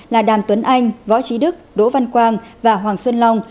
là đàm tuấn anh võ trí đức đỗ văn quang và hoàng xuân long